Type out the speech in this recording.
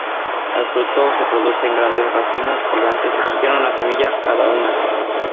El fruto se produce en grandes racimos colgantes y contienen una semilla cada una.